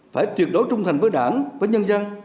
phải tuyệt đối trung thành với đảng và nhân dân